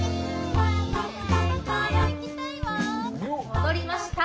戻りました。